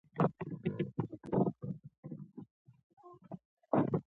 دروازه یې ورته پرانیستله.